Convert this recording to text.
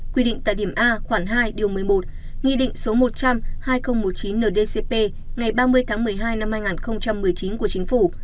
quy định tại điểm a khoảng hai điều một mươi một nghị định số một trăm linh hai nghìn một mươi chín ndcp ngày ba mươi tháng một mươi hai năm hai nghìn một mươi chín của chính phủ